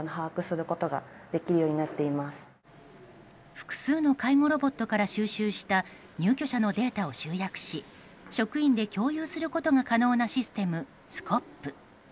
複数の介護ロボットから収集した入居者のデータを集約し職員で共有することが可能なシステム、ＳＣＯＰ。